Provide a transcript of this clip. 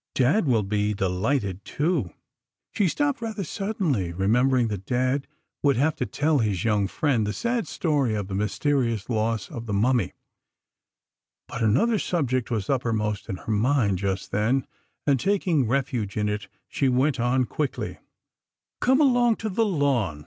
"Dad will be delighted, too " She stopped rather suddenly, remembering that Dad would have to tell his young friend the sad story of the mysterious loss of the Mummy; but another subject was uppermost in her mind just then, and, taking refuge in it, she went on quickly: "Come along to the lawn.